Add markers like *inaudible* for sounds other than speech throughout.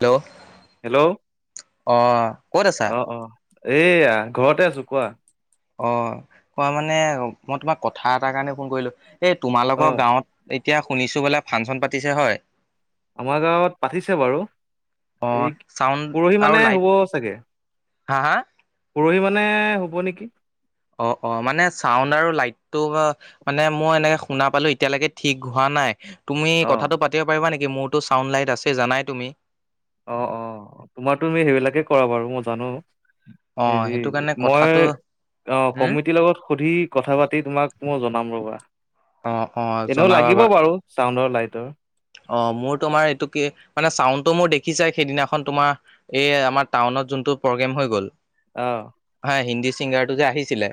Hello, hello অ, ক'ত আছা? এয়া ঘৰতে আছো কোৱা? অ'! কোৱা মানে, মই তোমাক কথা এটাৰ কাৰণে, ফোন কৰিলোঁ। এই, অ তোমালোকৰ গাঁৱত এতিয়া, শুনিছোঁ বোলে, ফাংচন পাতিছে হয়? আমাৰ গাঁৱত পাতিছে বাৰু। অ' এই, চাউণ্ড পৰহি আৰু মান, লাইট হ'ব চাগে। হা হা পৰহি মানে, হ'ব নেকি? অ'! অ'! মানে, চাউণ্ড আৰু লাইটটো মানে, মই এনেকে শুনা পালোঁ! এতিয়ালৈকে ঠিক হোৱা নাই। তুমি অ কথাটো পাতিব পাৰিবা নেকি? মোৰতো চাউণ্ড লাইট আছেই, জানাই তুমি? অ'! অ'! তোমাৰতো তুমি সেইবিলাকে কৰা বাৰু। মই জানোঁ! অ' হেৰি, সেইটো কাৰণে মই কথাটো অ'! হুম কমিটিৰ লগত সুধি কথা পাতি তোমাক মই জনাম, ৰ'বা। অ' অ' এনেও জনাবা লাগিব বা বাৰু চাউণ্ডৰ, লাইটৰ। অ'! মোৰ তোমাৰ, এইটো কি? মানে, চাউণ্ডটো মোৰ দেখিছাই! সেইদিনাখন তোমাৰ এই, আমাৰ টাউনত যোনটো প্ৰগ্ৰেম হৈ গ'ল। অ'! হয়! হিন্দী ছিংগাৰটো যে আহিছিলে।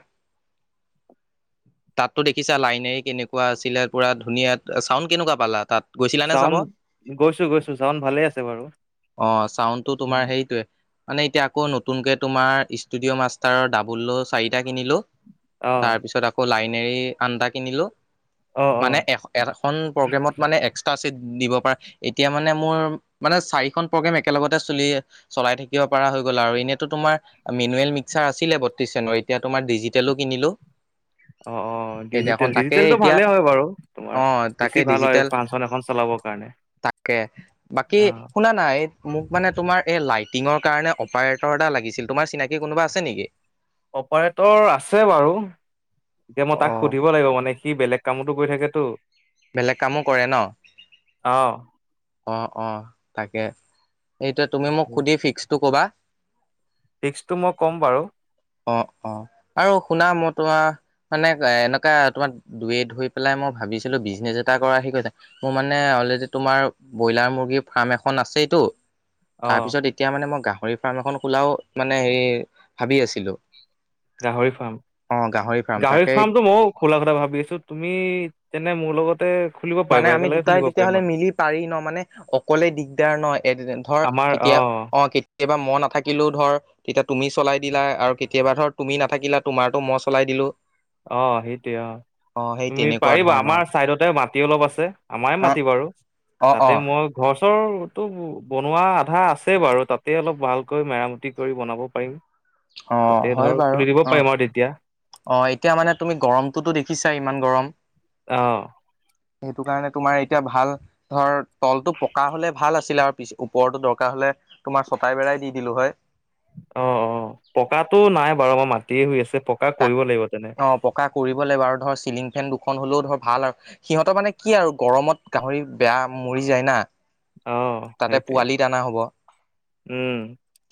তাততো দেখিছা! লাইনে কেনেকুৱা আছিলে? পুৰা ধুনীয়া! চাউণ্ড কেনেকুৱা পালা তাত? গৈছিলা নে চাব চাউণ্ড, গৈছোঁ গৈছোঁ। চাউণ্ড ভালে আছে বাৰু। অ'! চাউণ্ডটো উম, তোমাৰ সেইটোৱে। মানে, এতিয়া আকৌ, নতুনকে তোমাৰ ষ্টুডিঅ মাষ্টাৰৰ ডাবল চাৰিটা কিনিলোঁ। অ তাৰপিছত আকৌ, লাইনেৰে আণ্ডা কিনিলোঁ। অ অ মানে, এশ এখন প্ৰগ্ৰেমত মানে, এক্সট্ৰা চিট দিব পাৰা, এতিয়া মানে মোৰ, মানে চাৰিখন প্ৰগ্ৰেম একেলগতে চলিয়ে চলাই থাকিব পৰা হৈ গ'ল আৰু। এনেইতো তোমাৰ মেনুৱেল মিক্সাৰ আছিলে বত্ৰিশ জানুৱাৰীত। এতিয়া, তোমাৰ ডিজিটেলো কিনিলোঁ। অ'! অ'! ডিজিটেল, ডিজিটেলটো এতিয়া ভালেই হয় বাৰু। তোমাৰ অ বেছি তাকে ভাল হয়! ডিজিটেল পাঁচ তাকে, বাকী অ শুনা শুনানা! মোক মানে, তোমাৰ এই লাইটিঙৰ কাৰণে, অপাৰেটৰ এটা লাগিছিল। তোমাৰ চিনাকি কোনোবা আছে নেকি? অপাৰেটৰ আছে বাৰু। এতিয়া, মই তাক অ' সুধিব লাগিব মানে। সি বেলেগ কামতো গৈ থাকেতো। বেলেগ কামো কৰে ন'? অ'! অ'! অ'! তাকে, এতিয়া তুমি মোক, সুধি ফিক্সটো ক'বা? ফিক্সটো মই ক'ম বাৰু। অ'! অ'! আৰু শুনা! মই তোমাক মানে, এনেকুৱা তোমাৰ, *unintelligible* ধৰি পেলাই মই ভাবিছিলোঁ! বিজনেছ এটা কৰা আহি *unintelligible* মোৰ মানে, অলৰেডি তোমাৰ ব্ৰইলাৰ, মুৰ্গীৰ, ফাৰ্ম এখন আছেইতো। অ তাৰপিছত এতিয়া মানে, মই গাহৰি ফাৰ্ম এখন খোলাও মানে, হেৰি ভাবি আছিলোঁ! গাহৰি ফাৰ্ম, ফাৰ্ম গাহৰি তাকে ফাৰ্মটো মইও খোলা কথা ভাবি আছোঁ! তুমি তেনে, মোৰ লগতে খুলিব মানে, পাৰিবা আমি একেলগে দুটাই খুলিব পাৰিম তেতিয়াহ'লে আমি মিলি পাৰি ন'! মানে অকলে দিগদাৰ ন'! এ, ধৰ আমাৰ অ কেতিয়া, অ'! কেতিয়াবা, মই নাথাকিলেও ধৰ তেতিয়া তুমি চলাই দিলা আৰু কেতিয়াবা ধৰ, তুমি নাথাকিলা? তোমাৰতো মই চলাই দিলোঁ। অ'! সেইটোৱে, অ'! তুমি তেনেকুৱা পাৰিবা ধৰণৰ আমাৰ চাইডতে মাটি অলপ আছে। আমাৰে অ মাটি বাৰু। অ অ তাতে, মই ঘৰ- চৰ তো বনোৱা আধা আছে বাৰু। তাতে, অলপ ভালকৈ মেৰামতি কৰি বনাব পাৰিম। অ তাতে হয় ধৰক, বাৰু খুলি দিব অ পাৰিম আৰু তেতিয়া। অ, এতিয়া মানে তুমি গৰমটোতো দেখিছাই, ইমান গৰম। অ। সেইটো কাৰণে তোমাৰ এতিয়া ভাল ধৰ তলতো পকা হ'লে ভাল আছিল আৰু পিছ ওপৰতো দৰকাৰ হ'লে তোমাৰ ছটাই বেৰাই দি দিলো হয়। অ-অ পকাটো নাই বাৰু আমাৰ মাটিয়ে হৈ আছে। পকা তাক কৰিব লাগিব অ তেনেহলে। পকা কৰিব লাগিব। আৰু ধৰ চিলিং ফেন দুখন হ'লেও ধৰ ভাল আৰু সিহঁতৰ মানে কি আৰু গৰমত গাহৰি বেয়া মৰি যায় না। অ', তাতে সেইটোৱে পোৱালি দানা হ'ব,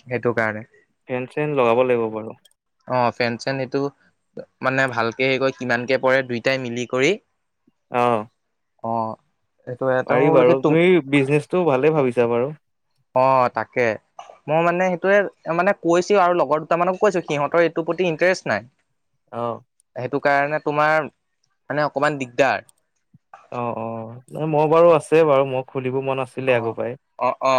সেইটো কাৰণে। ফেন-চেন লগাব লাগিব বাৰু। অ, ফেন-চেন এইটো মানে ভালকে সেই কৰি কিমানকে পৰে দুয়োটাই মিলি কৰি অ অ সেইটো এটা পাৰি মই বোলো বাৰু, কি তুম তুমি বিজনেচটো ভালে ভাবিছা বাৰু। অ' তাকে। মই মানে সেইটোয়ে মানে কৈছোঁ আৰু লগৰ দুটা মানক কৈছোঁ, সিহঁতৰ এইটো প্ৰতি ইণ্টেৰেষ্ট নাই। *inaudible* অ সেইটো কাৰণে তোমাৰ, মানে অকমান দিগদাৰ। অ-অ, মই বাৰু আছে বাৰু, মই খুলিব মন আছিলে অ আগৰ পৰাই। অ অ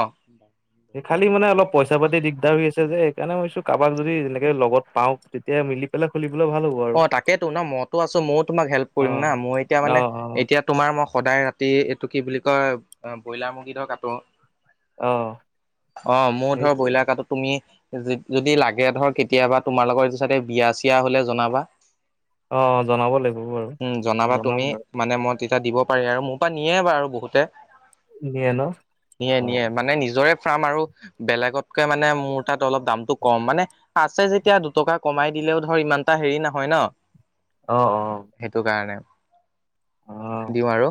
সেই খালি মানে অলপ পইচা-পাতি দিগদাৰ হৈ আছে যে, সেইকাৰণে ভাবিছো কাৰোবাক যদি যেনেকে লগত পাওঁ। তেতিয়া মিলি পেলাই, খুলিবলে ভাল হ'ব। আৰু অ, তাকেতো ন মইতো আছোঁ, মইও তোমাক হেল্প কৰিম না, অ', মই এতিয়া মানে অ', অ', এতিয়া তোমাৰ মই সদায় ৰাতি, এইটো কি বুলি কয়? ব্ৰইলাৰ মুৰ্গী ধৰ কাটো। অ', অ, মোৰ ধৰ সেইটোৱে ব্ৰইলাৰ কাটো। তুমি যদি লাগে ধৰ, কেতিয়াবা তোমালোকৰ এইটো চাইডে বিয়া-চিয়া হ'লে জনাবা। অ-অ, জনাব লাগিব বাৰু, উম জনাবা তুমি জনাম বাৰু। মানে মই তেতিয়া দিব পাৰিম আৰু মোৰ পৰা নিয়ে বাৰু বহুতে। নিয়ে ন নিয়ে-নিয়ে, অ', মানে নিজৰে ফাৰ্ম আৰু। বেলেগতকে মানে মোৰ তাত অলপ দামটো কম মানে। আছে যেতিয়া, দুটকা কমাই দিলেওঁ ধৰ ইমানটা হেৰি নহয় ন। অ-অ সেইটো কাৰণে। অ, দিওঁ আৰু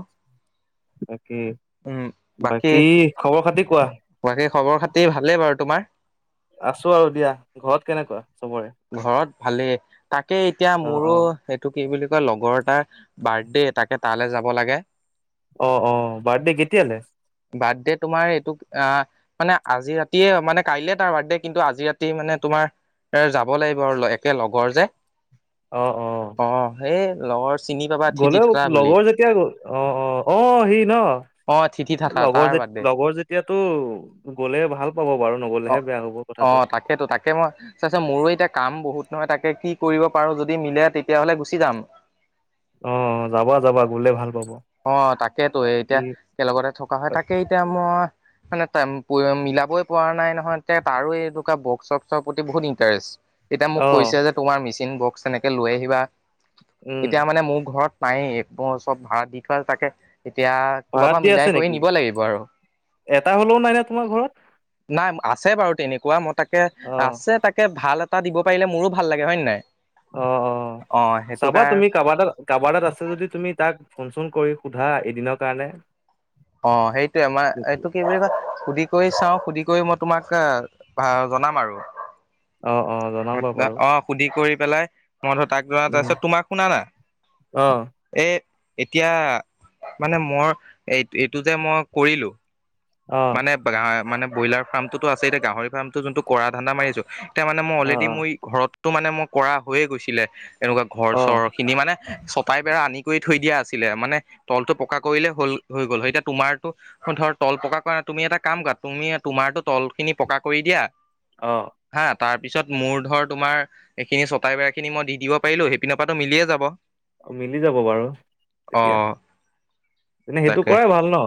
উম বাকী বাকী-বাকী খবৰ খাতি কোৱা? বাকী খবৰ খাতি ভালেই বাৰু। তোমাৰ? আছো আৰু দিয়া। ঘৰত কেনেকুৱা চবৰে? ঘৰত ভালেই। তাকে এতিয়া অ', মোৰো অ', সেইটো কি বুলি কয়? লগৰ এটা বাৰ্থডে তাকে তালে যাব লাগে। অ-অ, বাৰ্থডে কেতিয়ালে? বাৰ্থডে তোমাৰ এইটো আহ, মানে আজি ৰাতিয়ে, মানে কাইলে তাৰ বাৰ্থডে, কিন্তু আজি ৰাতি মানে তোমাৰ এ যাব লাগিব আৰু একে লগৰ যে। অ-অ অ, সেই লগৰ চিনি পাবা, থিতি থকা বুলি। অ-অ-অ, সি ন অ থিতি থাথা লগৰ তাৰ যে, বাৰ্থডে লগৰ যে। এতিয়াতো গ'লে ভাল পাব বাৰু অ নগলেহে বেয়া হ'ব অ কথাটো। তাকেতো তাকে মই চাইচে মোৰো এতিয়া কাম বহুত নহয় তাকে কি কৰিব পাৰো, যদি মিলে তেতিয়াহ'লে গুচি যাম। অ যাবা যাবা গোলে ভাল পাব। অ, তাকেতো কি এতিয়া একেলগতে থকা হয়। তাকেই এতিয়া মই মানে টাইম মিলাবই পৰা নাই নহয়, তে তাৰো এনেকুৱা বক্স-চক্সৰ প্ৰতি বহুত ইণ্টাৰেষ্ট। তেতিয়া মোক অ', কৈছে যে, তোমাৰ মিচিন বক্স এনেকে লৈ আহিবা। উম এতিয়া মানে মোৰ ঘৰত নায়েই এবোৰ চব ভাড়া দি থোৱা তাকে এতিয়া ক'ৰবাৰ ভাড়াত পৰা দি মিলাই আছে কৰি নেকি? নিব লাগিব আৰু এটা হলেও নাই নে তোমাৰ ঘৰত? নাই আছে বাৰু তেনেকুৱা মই তাকে অ আছে তাকে ভাল এ টা দিব পাৰিলে মোৰো ভাল লাগে হয় নাই? অ, অ সেইটো চাবা কাৰ তুমি কাৰবা তাল কাবাতাত আছে যদি তুমি তাক ফোন - চোন কৰি সোধা এদিনৰ কাৰণে অ সেইটোয়ে আমাৰ এইটো কি বুলি কয় সুধি কৰি চাওঁ, সুধি কৰি মই তোমাক আ ভা জনাম আৰু। অ অ জনাবা পাত্তা বাৰু অ সুধি কৰি পেলাই মই ধৰ তাক জ আছে উম তোমাক শুনা না? অ এ এতিয়া মানে মৰ এইটো যে মই কৰিলো অ মানে বা গা মানে ব্ৰইলাৰ ফাৰ্মটোতো আছে এতিয়া গাহৰি ফাৰ্মো যোনটো কৰা ধানদা মাৰিছো তেয়া মানে মই অ অলৰেডি মই ঘৰতটো মানে মোৰ কৰা হৈয়ে গৈছিলে এনেকুৱা ঘৰ অ - চৰখিনি মানে চব পাই বেৰা আনি কৰি থৈ দিয়া আছিলে মানে তলটো পকা কৰিলে হল হৈ গ'ল হয় এতিয়া তোমাৰতো অ ধৰ তল পকা কৰা, তুমি এটা কাম কৰা তুমি তোমাৰো তলখিনি পকা কৰি দিয়া অ। হা, তাৰ পিছত মোৰ ধৰ তোমাৰ এইখিনি চটাই বেৰাখিনি মই দি দিব পাৰিলো সেইপিনৰ পাতো মিলিয়ে যাব। অ মিলি যাব বাৰু এতিয়া অ' এনে সেইটো তাকে কৰাই ভাল ন?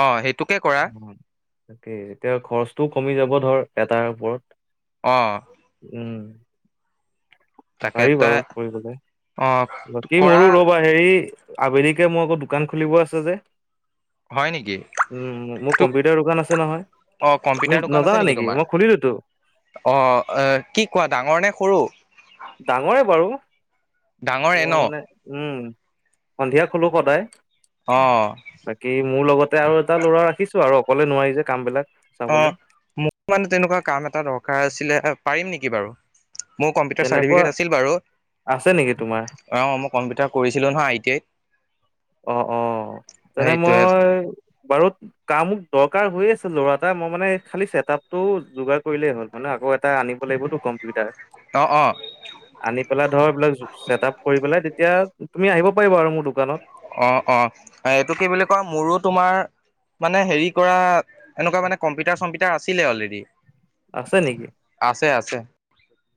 অ সেই অ তাকেই, এতিয়া খৰচটো কমি যাব ধৰ এটাৰ ওপৰত। অঁহ। উম। তাকে পাৰি তাই বাৰু কৰিবলৈ, অ' বাকী কৰা মোৰো ৰ'বা হেৰি আবেলিকে মই আকৌ দোকান খুলিব আছে যে? হয় নিকি? উম মোৰ কম্পিউটাৰ দোকান আছে নহয়, অ' তুমি কম্পিউটাৰ দোকান আছে নাজানা নেকি তোমাৰ মই খুলিলোতো। অ আ কি কোৱা ডাঙৰ নে সৰু? ডাঙৰে বাৰু, ডাঙৰে মই ন মানে উম, সন্ধিয়া খোলো সদায়। অ। বাকী মোৰ লগতে আৰু এটা ল'ৰা ৰাখিছো আৰু অকলে নোৱাৰি যে কামবিলাক। অ মোক মানে তেনেকুৱা কাম এটা দৰকাৰ আছিলে পাৰিম নেকি বাৰু? মোৰ কম্পিউটাৰ তেনেকুৱা চাৰ্টিফিকেট আছিল বাৰু। আছে নেকি তোমাৰ অঁ মই কম্পিউাৰ কৰিছিলোঁ নহয় আই টি আইত। অ অ তেনে সেইটোৱে মই বাৰু কাম দৰকাৰ হৈয়ে আছে ল'ৰা এটা মই মানে খালি ছেটাপটো যোগাৰ কৰিলেই হ'ল মানে আকৌ এটা আনিব লাগিবতো কম্পিউটাৰ। অ' অ' আনি পেলাই ধৰ এইবিলাক জো চেট আপ কৰি পেলাই তেতিয়া তুমি আহিব পাৰিবা আৰু মোৰ দোকানত। অ অ এইটো কি বুলি কয়, মোৰো তোমাৰ মানে হেৰি কৰা এনোকুৱা মানে কম্পিউটাৰ - চম্পিউটাৰ আছিলে অলৰেডি। আছে নিকি? আছে আছে।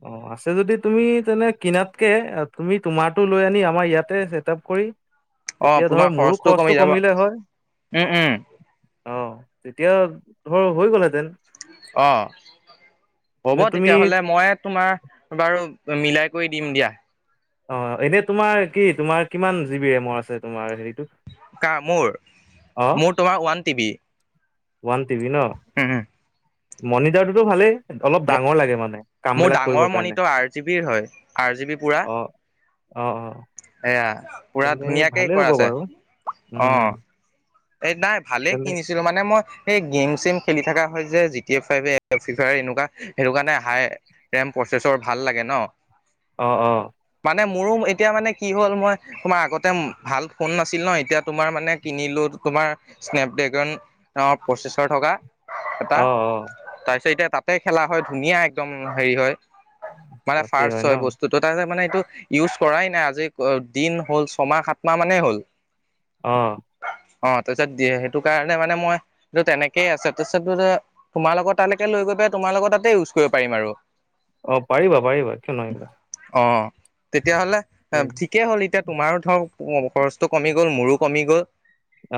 অ আছে যদি তুমি তেনে কিনাতকে আ তুমি তোমাৰটো লৈ আনি আমাৰ ইয়াতে চেট আপ কৰি অ', তেতিয়া ধৰ তোমাৰ মোৰো কমি খৰচটো যাব কমিলে হয়। উম, উম, অ, তেতিয়া তোমাৰ হৈ গ'লহেঁতেন। অ, হব নে তুমি তেতিয়াহলে মই তোমাৰ বাৰু মিলাই কৰি দিম দিয়া। অ এনে তোমাৰ কি তোমাৰ কিমান জি বি ৰেমৰ আছে তোমাৰ হেৰিটো? কা মোৰ, অ মোৰ তোমাৰ one T B. One TV ন। হুম হুম। মণিটাৰটোতো ভালে? অলপ ডাঙৰ লাগে মানে মোৰ কামবিলাক কৰিব ডাঙৰ কাৰণে মনিটৰ আৰ জি বিৰ হয় আৰ জি বি পুৰা অ। অ অ, এয়া পুৰা তেনে ধুনীয়াকে ভালেই কৰা হ'ব আছে বাৰু উম। এই নাই ভালে তেন্তে কিনিছ জিলো মানে মই সেই গেম চেম খেলি থাকা হয় যে জি টি ফাইভে এ ফ্ৰী ফায়াৰ এনেকুৱা সেইটো কাৰণে হাই দেম প্ৰচেছৰ ভাল লাগে ন। অ অ। মানে মোৰো এতিয়া মানে কি হ'ল মই তোমাৰ আগতে ভাল ফোন নাছিল ন এতিয়া তোমাৰ মানে কিনিলো তোমাৰ স্নেপ ড্ৰেগন, অ প্ৰচেছৰ থকা। এটা, অ অ তাৰ পিছত এতিয়া তাতে খেলা হয় ধুনীয়া একদম হেৰি হয়। মানে তাতে ফাৰ্ষ হয় ন বস টোতো তাতে মানে এইটো ইউজ কৰাই নাই আজি ক দিন হ'ল ছমাহ - সাতমাহ মানেই হ'ল। অঁ। অ তাৰপিছত দিয়ে সেইটো কাৰণে মানে মই এইটো তেনেকেই আছে তাৰপিছত মানে তোমাৰ লগত তালৈকে লৈ গৈ পেলাই তোমাৰ লগত তাতে ইউজ কৰিব পাৰিম আৰু। অ পাৰিবা পাৰিবা কিয় নোৱাৰিবা। অ, তেতিয়াহ'লে আ এই ঠিকেই হ'ল এতিয়া তোমাৰো ধৰক উম খৰচটো কমি গ'ল, মোৰো কমি গ'ল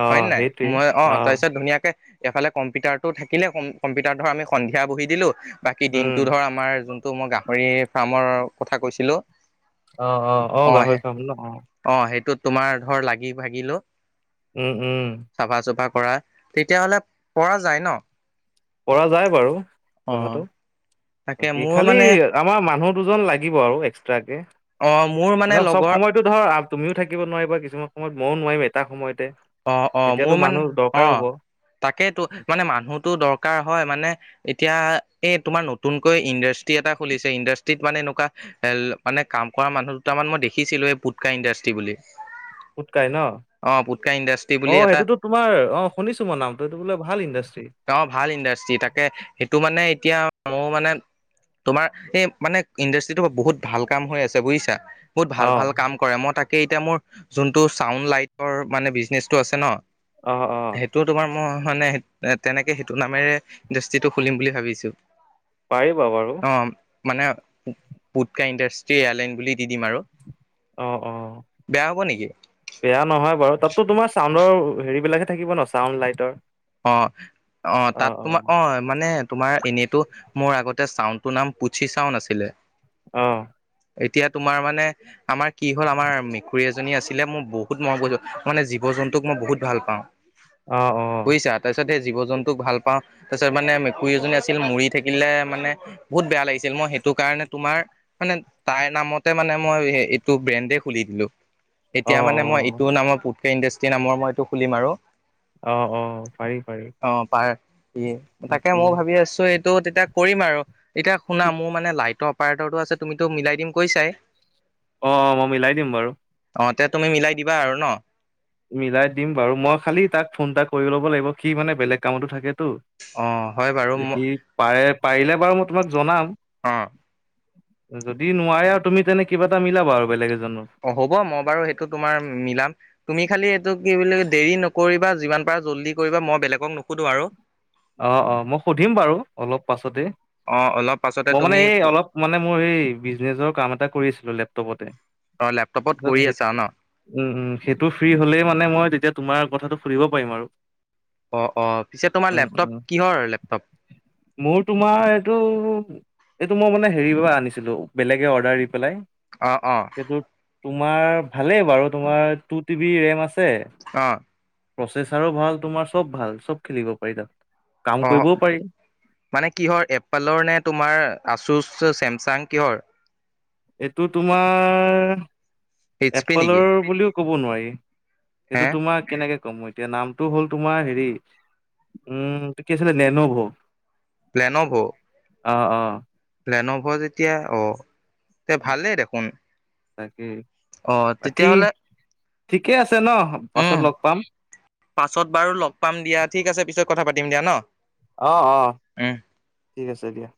অ হয় নাই? সেইটোৱে মই অ তাৰপিছত ধুনীয়াকে এইফালে কম্পিউটাৰটো থাকিলে, ক কম্পিউটাৰ ধৰক আমি সন্ধিয়া বহি দিলোঁ, বাকী উম দিনটো ধৰ আমাৰ যোন তো মই গাহৰি ফাৰ্মৰ কথা কৈছিলোঁ অ অ অ গাহৰি পাম ন অ। অ সেইটো তোমাৰ ধৰ লাগি ভাগিলো। উম উম। চাফা - চুফা কৰা তেতিয়াহ'লে পৰা যায় ন। পৰা যায় বাৰু। অ কথাটো, তাকে বাকী মোৰ খালি মানে আমাৰ মানুহ দুজন লাগিব আৰু এক্সট্ৰাকে। অ মোৰ মানে লগৰ টো ধৰ তুমিও থাকিব নোৱাৰিবা কিছুমান সময়ত ময়ও নোৱাৰিম এটা সময়তে? অঁ অঁ তেতিয়াতো মোৰ মান, মানুহ দৰকাৰ অঁ হ'ব তাকেইটো মানে মানুহটো দৰকাৰ হয় মানে এতিয়া এ তোমাৰ নতুনকৈ ইণ্ডাষ্ট্ৰি এটা খুলিছে ইণ্ডাষ্ট্ৰিত মানে এনেকুৱা এল মানে কাম কৰা মানুহ দুটামান মই দেখিছিলো এই পুটকা ইণ্ডাষ্ট্ৰি বুলি। পুটকাই ন, অ পুটকা ইণ্ডাষ্ট্ৰি অ বুলি এটা সেইটোতো তোমাৰ অ শুনিছো মই নামটো এইটো বোলে ভাল ইণ্ডাষ্ট্ৰি। গাঁৱৰ ভাল ইণ্ডাষ্ট্ৰি তাকে সেইটো মানে এতিয়া মোৰ মানে তোমাৰ এই মানে ইণ্ডাষ্ট্ৰিটো বহুত ভাল কাম হৈ আছে বুজিছা। বহুত অ ভাল ভাল কাম কৰে, মই তাকে এতিয়া মোৰ যোনটো চাউণ্ড লাইটৰ মানে বিজনেচটো আছে ন অ অ। টো তোমাৰ মই হয় নে তেনেকে সেইটো নামেৰে ইণ্ডাষ্ট্ৰিটো খুলিম বুলি ভাবিছো। পাৰিবা বাৰু। অ মানে পু পুটকা ইণ্ডাষ্ট্ৰি এয়াৰলাইন বুলি দি দিম আৰু। অঁ অঁ। বেয়া হ'ব নেকি বেয়া নহয় বাৰু। তাতটো তোমাৰ চাউণ্ডৰ হেৰিবিলাকহে থাকিব ন চাউণ্ড লাইটাৰ? অ অ তাত তোমাৰ অ মানে তোমাৰ এনেইতো মোৰ আগতে চাউনটোৰ নাম পুচি চাউন আছিলে? অ। এতিয়া তোমাৰ মানে আমাৰ কি হ'ল আমাৰ মেকুৰী এজনী আছিলে মই বহুত মন কৈছো, মানে জীৱ জন্তুক মই বহুত ভাল পাওঁ। অ অহ। চা, তাৰ পিছত সেই জীৱ জন্তুক ভাল পাওঁ। তাছত মানে মেকুৰী এজনী আছিল মৰি থাকিলে মানে- বহুত বেয়া লাগিছিল। মই সেইটো কাৰণে তোমাৰ মানে তাইৰ নামতে মানে মই সে এইটো ব্ৰেণ্ডে খুলি দিলোঁ। অ এতিয়া মানে মই এইটো নামৰ, পুট্‌কে ইণ্ডাষ্ট্ৰি নামৰ মই এইটো খুলিম আৰু। অ অ পাৰি পাৰি। অ পাৰ ঠিকেই, তাকে বাকী মও ভাৱি আছোঁ, এইটো তেতিয়া কৰিম আৰু। এতিয়া শুনা, মোৰ মানে লাইটৰ অপাৰেটৰটো আছে তুমিটো মিলাই দিম কৈছাই? অ অ মই মিলাই দিম বাৰু। অ তেত্ তুমি মিলাই দিবা আৰু ন? মিলাই দিম বাৰু। মই খালি তাক ফোন এটা কৰি ল'ব লাগিব। সি মানে বেলেগ কামটো থাকেটো। অ হয় বাৰু। ম- পাৰে, পাৰিলে বাৰু মই তোমাক জনাম। অ যদি নোৱাৰে আৰু তুমি তেনে কিবা এটা মিলাবা আৰু বেলেগ এজনৰ। অ হ'ব। মই বাৰু সেইটো তোমাৰ মিলাম। তুমি খালি এইটো কি বুলি কয়? দেৰি নকৰিবা যিমান পাৰা জল্দি কৰিবা। মই বেলেগক নোশুধো আৰু। অ, অ মই শুধিম বাৰু অলপ পাছতে। অ অলপ পাছতে মই মানে তুমি এই অলপ মানে মোৰ এই বিজনেচৰ কাম এটা কৰি আছিলো লেপ্‌টপতে। অ লেপটপত পিছত কৰি সেইত আছা ন উম উম, সেইটো ফ্ৰী হলেই মানে, মই তেতিয়া তোমাৰ কথাটো শুধিব পাৰিম আৰু। অ অ, পিছে তোমাৰ উম উম লেপটপ, কিহৰ লেপটপ? মোৰ তোমাৰ এইটো এইটো মই মানে হেৰি পৰা আনিছিলো। বেলেগে অৰ্ডাৰ দি পেলাই। অ অ সেইটো তোমাৰ ভালেই বাৰু। তোমাৰ টু টি বি ৰেম আছ- ছে, অ প্ৰচেচাৰো ভাল তোমাৰ, চব ভাল, চব খেলিব পাৰি তাত। কাম অ কৰিবও পাৰি। মানে কিহৰ এপ্পেলৰ নে, তোমাৰ আচোচ, চেমচাং কিহৰ? এইটো তোমাৰ এইচ পি নেকি এপ্পেলৰ বুলিও ক'ব নোৱাৰি। হে এইটো তোমাক কেনেকে- কম এতিয়া নামটো হ'ল তোমাৰ হেৰি উম, কি আছিলে, নেন'ভ। প্লেন'ভ? অ অ। প্লেন'ভৰ যেতিয়া, অ। তে ভালেই দেখোন। তাকেই অ বাকী তেতিয়াহ'লে ঠিকে আছে ন? পাছত উম লগ পাম। পাছত বাৰু লগ পাম দিয়া। ঠিক আছে পিছত কথা পাতিম দিয়া ন? অ, অ উম ঠিক আছে দিয়া।